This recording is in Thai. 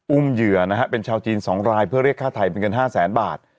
อุ้มเหยื่อนะฮะเป็นชาวจีนสองรายเพื่อเรียกฆ่าไถ่เป็นเงินห้าแสนบาท